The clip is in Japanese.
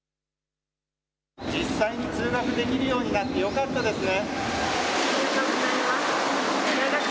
実際に通学できるようになってよかったですね。